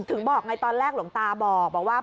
ถึงบอกไงตอนแรกหลวงตาบอกว่า